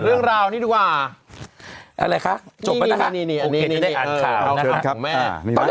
เรื่องราวนี้ดีกว่าอะไรคะนี่โอเคจะได้อ่านข่าวนะคะขอเชิญครับของแม่